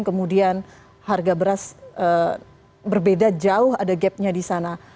kemudian harga beras berbeda jauh ada gapnya di sana